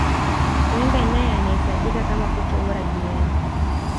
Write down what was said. Wenger naye anahesabika kama kocha bora duniani